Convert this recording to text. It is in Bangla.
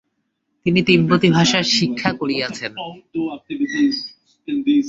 তিনি তিব্বতী ভাষা শিক্ষা করিয়াছেন।